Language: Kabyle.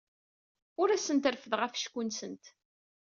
Ur asent-reffdeɣ afecku-nsent.